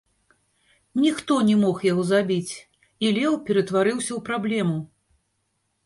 Ніхто не мог яго забіць, і леў ператварыўся ў праблему.